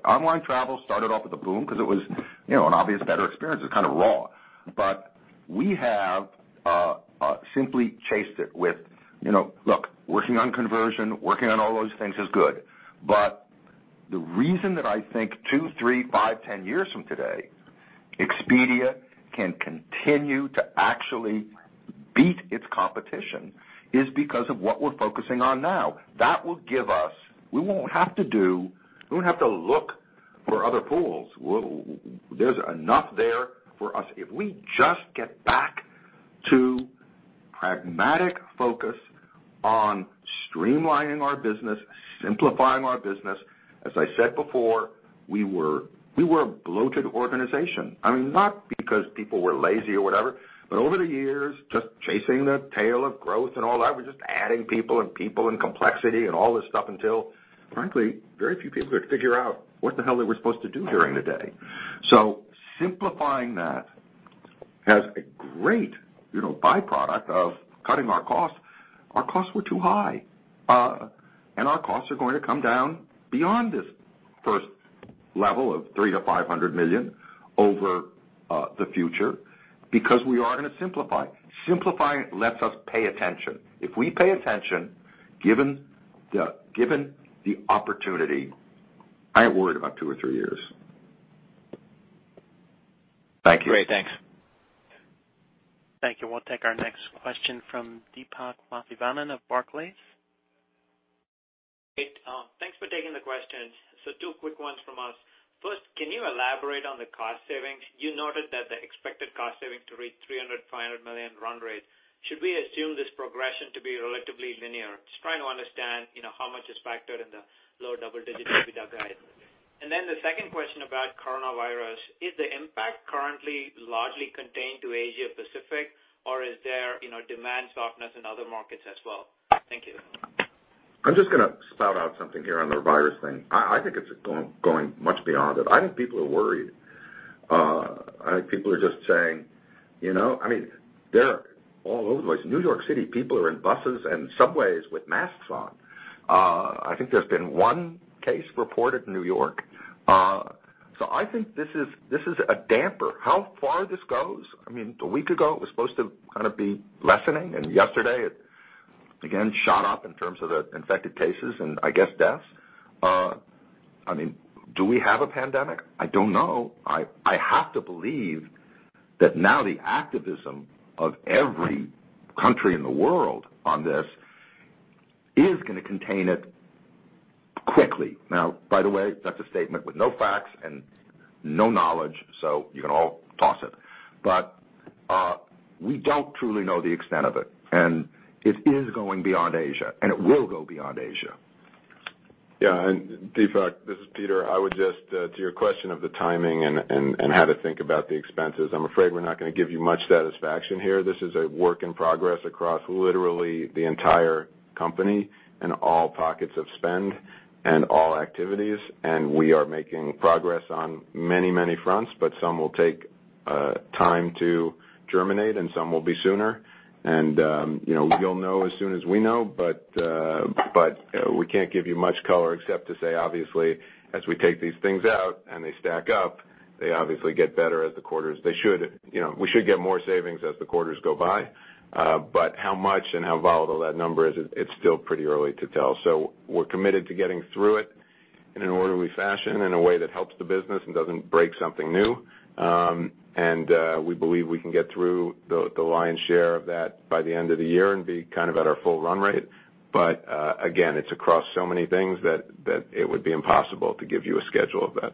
Online travel started off with a boom because it was an obvious better experience. It was kind of raw. We have simply chased it with, look, working on conversion, working on all those things is good. The reason that I think two, three, five, 10 years from today, Expedia can continue to actually beat its competition is because of what we're focusing on now. We won't have to look for other pools. There's enough there for us if we just get back to pragmatic focus on streamlining our business, simplifying our business. As I said before, we were a bloated organization. Not because people were lazy or whatever, over the years, just chasing the tail of growth and all that. We're just adding people and people and complexity and all this stuff until, frankly, very few people could figure out what the hell they were supposed to do during the day. Simplifying that has a great byproduct of cutting our costs. Our costs were too high. And our costs are going to come down beyond this first level of $300 million-$500 million over the future because we are going to simplify. Simplifying lets us pay attention. If we pay attention, given the opportunity, I ain't worried about two or three years. Thank you. Great. Thanks. Thank you. We'll take our next question from Deepak Mathivanan of Barclays. Great. Thanks for taking the questions. Two quick ones from us. First, can you elaborate on the cost savings? You noted that the expected cost saving to reach $300 million-$500 million run rate. Should we assume this progression to be relatively linear? Just trying to understand how much is factored in the low double-digit EBITDA guide. The second question about coronavirus, is the impact currently largely contained to Asia Pacific, or is there demand softness in other markets as well? Thank you. I'm just going to spout out something here on the virus thing. I think it's going much beyond it. I think people are worried. I think people are just saying they're all over the place. New York City, people are in buses and subways with masks on. I think there's been one case reported in New York. I think this is a damper. How far this goes? A week ago, it was supposed to kind of be lessening, and yesterday it again shot up in terms of the infected cases and, I guess, deaths. Do we have a pandemic? I don't know. I have to believe that now the activism of every country in the world on this is going to contain it quickly. By the way, that's a statement with no facts and no knowledge, so you can all toss it. But we don't truly know the extent of it, and it is going beyond Asia, and it will go beyond Asia. Yeah, Deepak, this is Peter. I would just, to your question of the timing and how to think about the expenses, I'm afraid we're not going to give you much satisfaction here. This is a work in progress across literally the entire company and all pockets of spend and all activities, and we are making progress on many, many fronts, but some will take time to germinate and some will be sooner. And you'll know as soon as we know, but we can't give you much color except to say, obviously, as we take these things out and they stack up, they obviously get better as the quarters. They should. We should get more savings as the quarters go by. But how much and how volatile that number is, it's still pretty early to tell. We're committed to getting through it in an orderly fashion, in a way that helps the business and doesn't break something new. We believe we can get through the lion's share of that by the end of the year and be at our full run rate. But again, it's across so many things that it would be impossible to give you a schedule of that.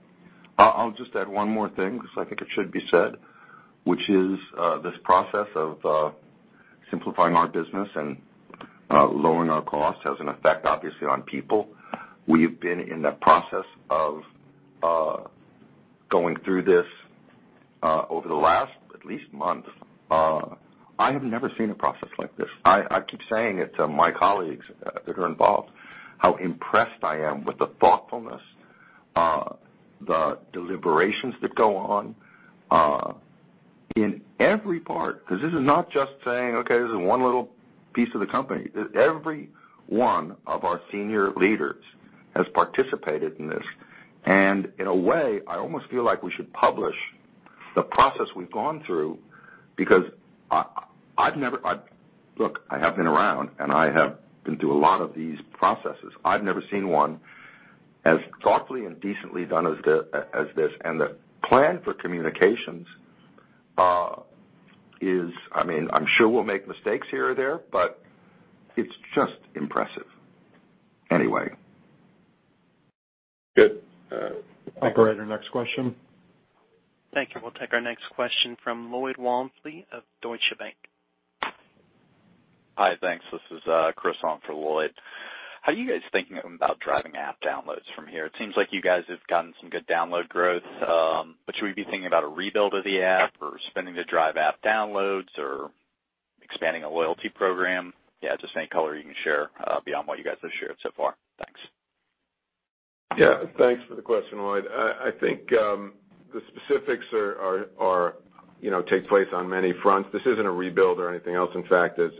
I'll just add one more thing because I think it should be said, which is this process of simplifying our business and lowering our costs has an effect, obviously, on people. We have been in the process of going through this over the last at least month. I have never seen a process like this. I keep saying it to my colleagues that are involved, how impressed I am with the thoughtfulness, the deliberations that go on in every part, because this is not just saying, "Okay, this is one little piece of the company." Every one of our senior leaders has participated in this. In a way, I almost feel like we should publish the process we've gone through. Look, I have been around, and I have been through a lot of these processes. I've never seen one as thoughtfully and decently done as this. The plan for communications. I'm sure we'll make mistakes here or there. It's just impressive. Anyway. Good. Operator, next question. Thank you. We'll take our next question from Lloyd Walmsley of Deutsche Bank. Hi, thanks. This is Chris on for Lloyd. How are you guys thinking about driving app downloads from here? It seems like you guys have gotten some good download growth. Should we be thinking about a rebuild of the app, or spending to drive app downloads, or expanding a loyalty program? Yeah, just any color you can share beyond what you guys have shared so far. Thanks. Yeah. Thanks for the question, Chris. I think the specifics take place on many fronts. This isn't a rebuild or anything else. In fact, as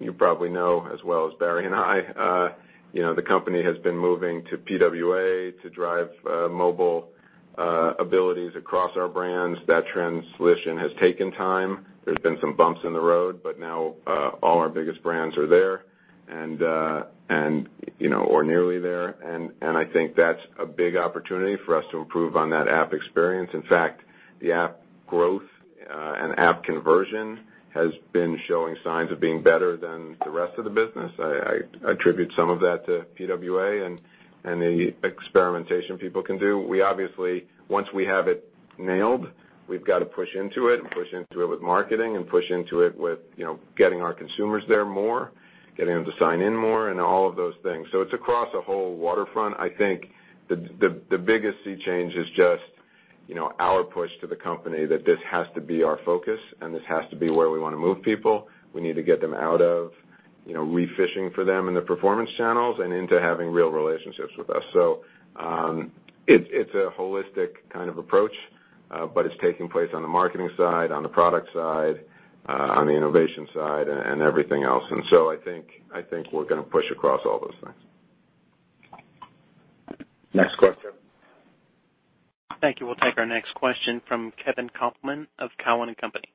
you probably know as well as Barry and I, the company has been moving to PWA to drive mobile abilities across our brands. That translation has taken time. There's been some bumps in the road, but now all our biggest brands are there or nearly there, and I think that's a big opportunity for us to improve on that app experience. In fact, the app growth and app conversion has been showing signs of being better than the rest of the business. I attribute some of that to PWA and the experimentation people can do. We obviously, once we have it nailed, we've got to push into it, and push into it with marketing, and push into it with getting our consumers there more, getting them to sign in more, and all of those things. It's across a whole waterfront. I think the biggest sea change is just our push to the company that this has to be our focus and this has to be where we want to move people. We need to get them out of re-fishing for them in the performance channels and into having real relationships with us. It's a holistic kind of approach, but it's taking place on the marketing side, on the product side, on the innovation side, and everything else. I think we're going to push across all those things. Next question. Thank you. We'll take our next question from Kevin Kopelman of Cowen and Company.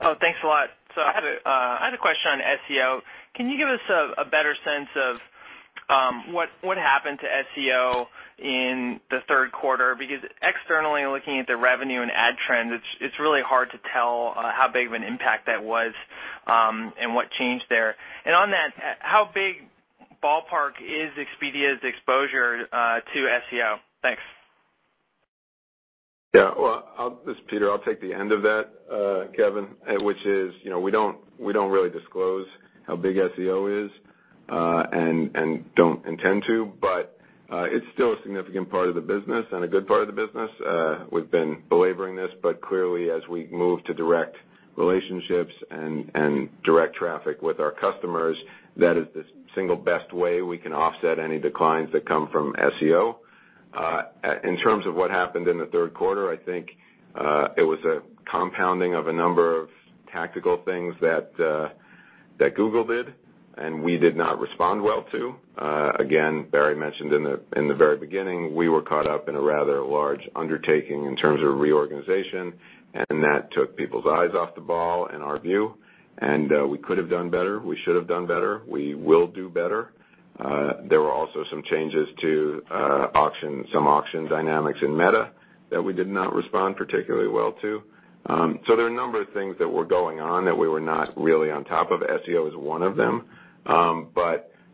Oh, thanks a lot. I had a question on SEO. Can you give us a better sense of what happened to SEO in the third quarter? Because externally, looking at the revenue and ad trends, it's really hard to tell how big of an impact that was, and what changed there. On that, how big ballpark is Expedia's exposure to SEO? Thanks. Yeah. Well, this is Peter, I'll take the end of that, Kevin. Which is, we don't really disclose how big SEO is, and don't intend to, but it's still a significant part of the business and a good part of the business. We've been belaboring this, but clearly as we move to direct relationships and direct traffic with our customers, that is the single best way we can offset any declines that come from SEO. In terms of what happened in the third quarter, I think it was a compounding of a number of tactical things that Google did and we did not respond well to. Again, Barry mentioned in the very beginning, we were caught up in a rather large undertaking in terms of reorganization, and that took people's eyes off the ball, in our view, and we could have done better. We should have done better. We will do better. There were also some changes to some auction dynamics in Meta that we did not respond particularly well to. There are a number of things that were going on that we were not really on top of. SEO is one of them.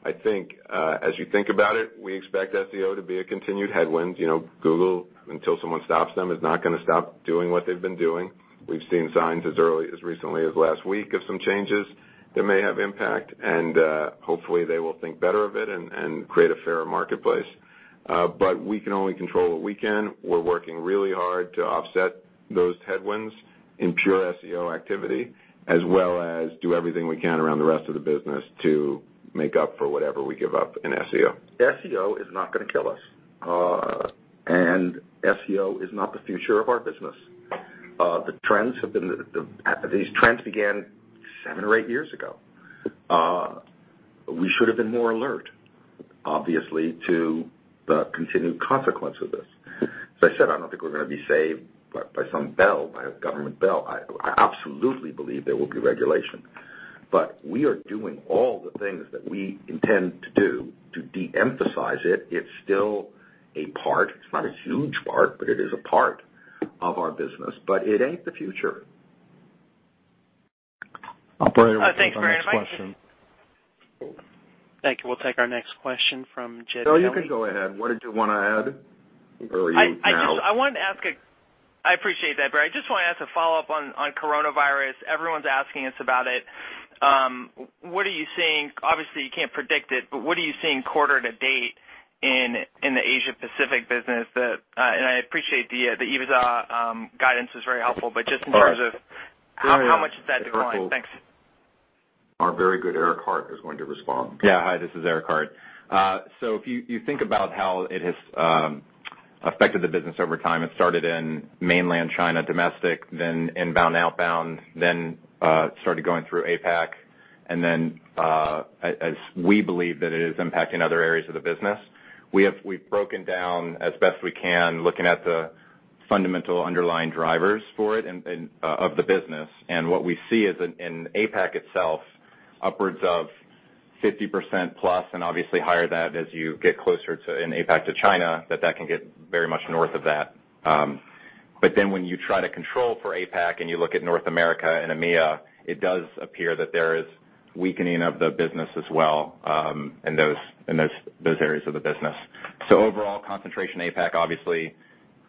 I think, as you think about it, we expect SEO to be a continued headwind. Google, until someone stops them, is not going to stop doing what they've been doing. We've seen signs as recently as last week of some changes that may have impact and, hopefully, they will think better of it and create a fairer marketplace. But we can only control what we can. We're working really hard to offset those headwinds in pure SEO activity, as well as do everything we can around the rest of the business to make up for whatever we give up in SEO. SEO is not going to kill us, and SEO is not the future of our business. These trends began seven or eight years ago. We should have been more alert, obviously, to the continued consequence of this. As I said, I don't think we're going to be saved by some bell, by a government bell. I absolutely believe there will be regulation, but we are doing all the things that we intend to do to de-emphasize it. It's still a part. It's not a huge part, but it is a part of our business, but it ain't the future. Operator, what's our next question? Thanks, Barry and Mike. Thank you. We'll take our next question from Jed. No, you can go ahead. What did you want to add? I appreciate that, Barry. I just want to ask a follow-up on coronavirus. Everyone's asking us about it. Obviously, you can't predict it, but what are you seeing quarter to date in the Asia Pacific business? I appreciate the EBITDA guidance was very helpful, but just in terms of how much is that declining? Thanks. Our very good Eric Hart is going to respond. Yeah. Hi, this is Eric Hart. If you think about how it has affected the business over time, it started in mainland China, domestic, then inbound, outbound, then started going through APAC, and then as we believe that it is impacting other areas of the business. We've broken down as best we can, looking at the fundamental underlying drivers for it of the business. What we see is in APAC itself, upwards of 50%+ and obviously higher that as you get closer in APAC to China, that can get very much north of that. When you try to control for APAC and you look at North America and EMEA, it does appear that there is weakening of the business as well in those areas of the business. Overall, concentration in APAC obviously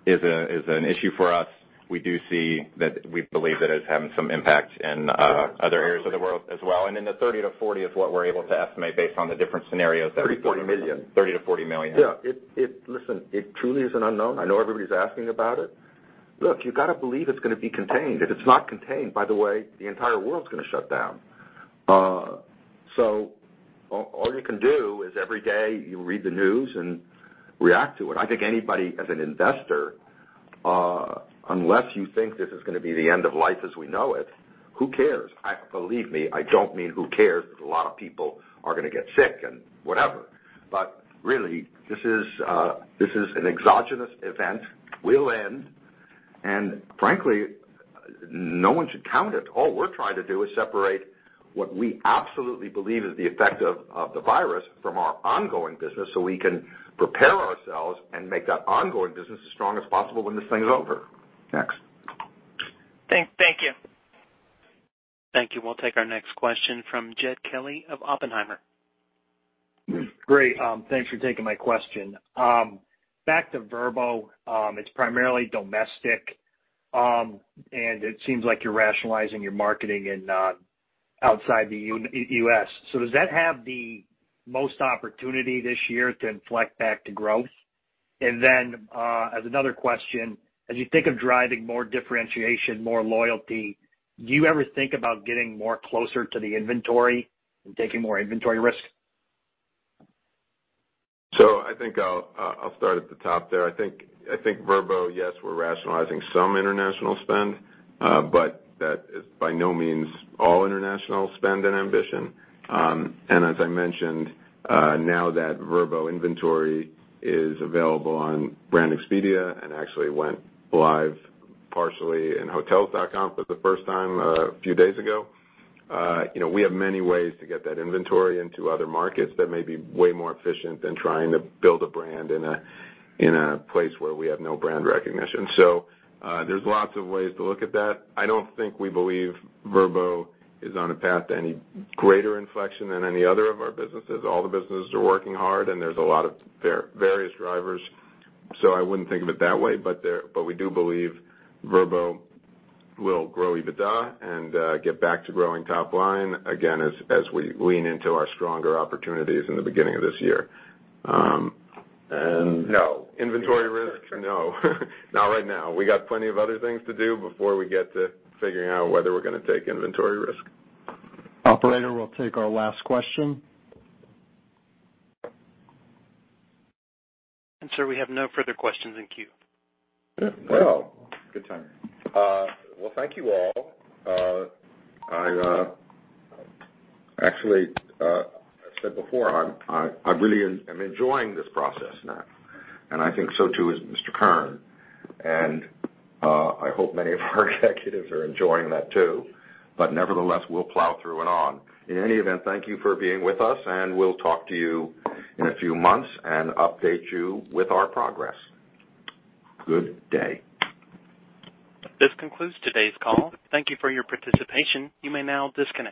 is an issue for us. We do see that we believe that it's having some impact in other areas of the world as well. The $30 million-$40 million is what we're able to estimate based on the different scenarios. $30 million, $40 million. $30 million-$40 million. Yeah. Listen, it truly is an unknown. I know everybody's asking about it. Look, you've got to believe it's going to be contained. If it's not contained, by the way, the entire world's going to shut down. All you can do is every day you read the news and react to it. I think anybody as an investor, unless you think this is going to be the end of life as we know it, who cares? Believe me, I don't mean who cares because a lot of people are going to get sick and whatever. Really, this is an exogenous event, will end, and frankly, no one should count it. All we're trying to do is separate what we absolutely believe is the effect of the virus from our ongoing business, so we can prepare ourselves and make that ongoing business as strong as possible when this thing is over. Next. Thank you. Thank you. We'll take our next question from Jed Kelly of Oppenheimer. Great, thanks for taking my question. Back to Vrbo, it's primarily domestic, and it seems like you're rationalizing your marketing outside the U.S. Does that have the most opportunity this year to inflect back to growth? And then as another question, as you think of driving more differentiation, more loyalty, do you ever think about getting more closer to the inventory and taking more inventory risk? I think I'll start at the top there. I think Vrbo, yes, we're rationalizing some international spend, but that is by no means all international spend and ambition. As I mentioned, now that Vrbo inventory is available on Brand Expedia and actually went live partially in Hotels.com for the first time a few days ago. We have many ways to get that inventory into other markets that may be way more efficient than trying to build a brand in a place where we have no brand recognition. There's lots of ways to look at that. I don't think we believe Vrbo is on a path to any greater inflection than any other of our businesses. All the businesses are working hard, and there's a lot of various drivers. I wouldn't think of it that way, but we do believe Vrbo will grow EBITDA and get back to growing top line again as we lean into our stronger opportunities in the beginning of this year. No. Inventory risk, no. Not right now. We got plenty of other things to do before we get to figuring out whether we're going to take inventory risk. Operator, we'll take our last question. Sir, we have no further questions in queue. Well. Good timing. Well, thank you all. Actually, I said before, I really am enjoying this process, Matt, and I think so too is Mr. Kern, and I hope many of our executives are enjoying that too. Nevertheless, we'll plow through and on. In any event, thank you for being with us, and we'll talk to you in a few months and update you with our progress. Good day. This concludes today's call. Thank you for your participation. You may now disconnect.